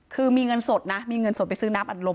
คือมีเงินสดนะมีเงินสดไปซื้อน้ำอัดลม